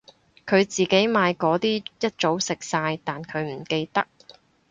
佢自己買嗰啲一早食晒但佢唔記得